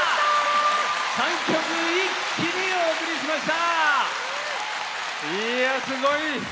３曲、一気にお送りしました！